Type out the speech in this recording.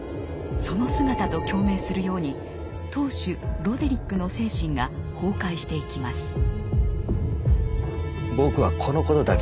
その姿と共鳴するように当主ロデリックの精神が崩壊していきます。